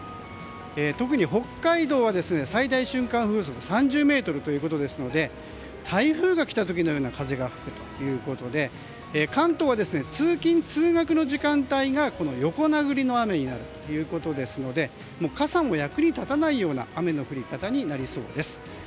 特に北海道は、最大瞬間風速が３０メートルですので台風が来た時のような風が吹くということで関東は通勤・通学の時間帯が横殴りの雨になるので傘も役に立たないような雨の降り方になりそうです。